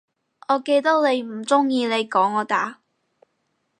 我記得你唔鍾意你講我打